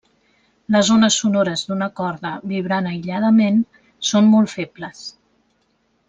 Les ones sonores d'una corda vibrant aïlladament són molt febles.